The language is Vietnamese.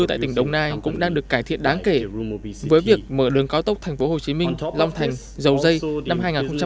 đầu tư tại tỉnh đồng nai cũng đang được cải thiện đáng kể với việc mở đường cao tốc thành phố hồ chí minh long thành dầu dây năm hai nghìn một mươi năm